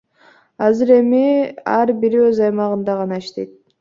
Азыр эми ар бири өз аймагында гана иштейт.